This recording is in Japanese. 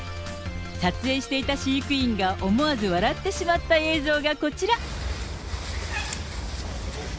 撮影していた飼育員が思わず笑ってしまった映像がこちら。